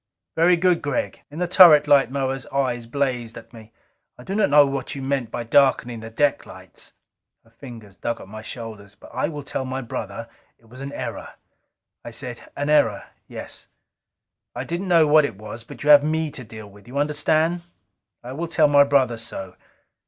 "Very good, Gregg." In the turret light Moa's eyes blazed at me. "I do not know what you meant by darkening the deck lights." Her fingers dug at my shoulders. "I will tell my brother it was an error." I said, "An error yes." "I didn't know what it was. But you have me to deal with now. You understand? I will tell my brother so.